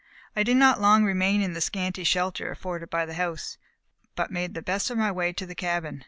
I did not long remain in the scanty shelter afforded by the house, but made the best of my way to the cabin.